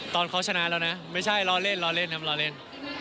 ตอนเขาชนะแล้วนะไม่ใช่ล้อเล่นครับล้อเล่น